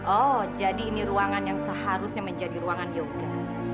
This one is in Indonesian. oh jadi ini ruangan yang seharusnya menjadi ruangan yoga